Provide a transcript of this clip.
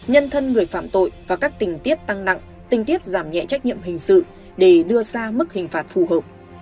nhân thân người phạm tội và các tình tiết tăng nặng tình tiết giảm nhẹ trách nhiệm hình sự để đưa ra mức hình phạt phù hợp